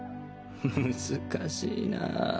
難しいな。